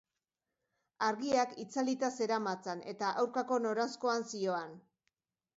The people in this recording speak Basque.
Argiak itzalita zeramatzan eta aurkako noranzkoan zihoan.